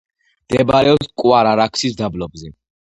მდებარეობს მტკვარ-არაქსის დაბლობზე.